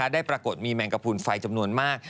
ปรากฏมีแมงกระพูนไฟจำนวนมาก